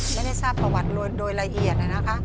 ไม่ได้ทราบประวัติโดยละเอียดนะคะ